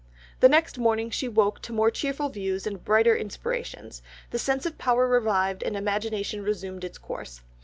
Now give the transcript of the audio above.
The next morning she woke to more cheerful views and brighter inspirations; the sense of power revived and imagination resumed its course.